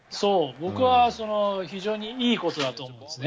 僕は非常にいいことだと思うんですね。